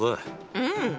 うん。